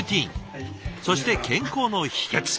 そして健康の秘けつ。